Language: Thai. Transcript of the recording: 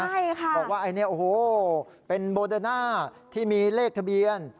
บอกว่าอันนี้เป็นโบเดอน่าที่มีเลขทะเบียน